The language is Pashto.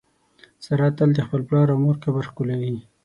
ساره تل د خپل پلار او مور قبر ښکلوي.